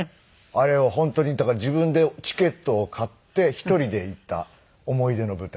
あれを本当にだから自分でチケットを買って１人で行った思い出の舞台で。